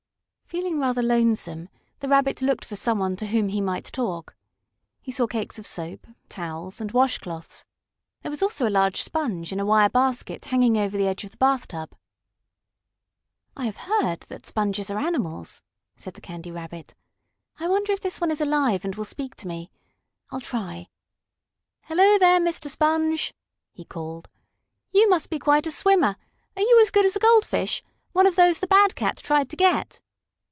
Feeling rather lonesome, the Rabbit looked for some one to whom he might talk. He saw cakes of soap, towels, and wash cloths. There was also a large sponge in a wire basket hanging over the edge of the bathtub. "I have heard that sponges are animals," said the Candy Rabbit. "I wonder if this one is alive and will speak to me. I'll try. Hello there, Mr. Sponge!" he called. "You must be quite a swimmer. Are you as good as a goldfish one of those the bad cat tried to get?"